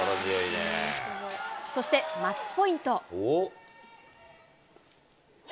そしてマッチポイント。